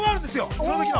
その時の。